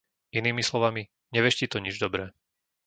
Inými slovami, neveští to nič dobré.